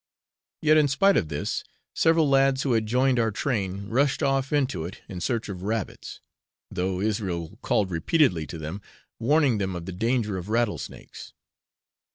Yet in spite of this several lads who had joined our train rushed off into it in search of rabbits, though Israel called repeatedly to them, warning them of the danger of rattlesnakes.